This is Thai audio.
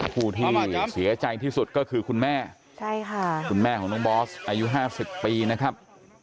ผู้ที่เสียใจที่สุดก็คือคุณแม่คุณแม่ของน้องบอสอายุ๕๐ปีนะครับ